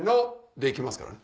でいきますからね。